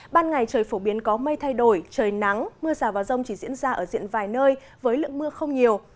ban ngày trời phổ biến có mây thay đổi trời nắng mưa rào và rông chỉ diễn ra ở diện vài nơi với lượng mưa không nhiều